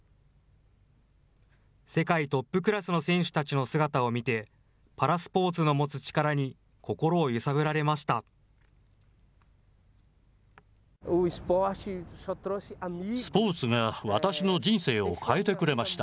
世界トップクラスの選手たちの姿を見て、パラスポーツの持つ力に心を揺さぶられました。